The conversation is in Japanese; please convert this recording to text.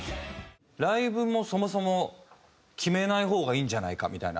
ライブもそもそも決めない方がいいんじゃないかみたいな。